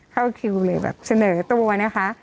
เข้าคิวเลยแบบเสนอตัวนะคะ